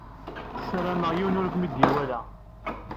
Sarameɣ yiwen ur kem-id-iwala.